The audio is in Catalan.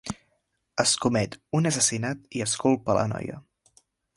Es comet un assassinat i es culpa la noia.